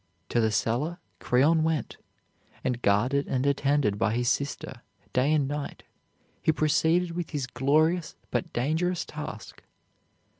To the cellar Creon went, and guarded and attended by his sister, day and night, he proceeded with his glorious but dangerous task.